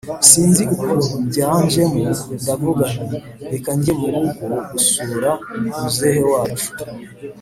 sinzi ukuntu byanjemo ndavuga nti reka njye murugo gusura muzehe wacu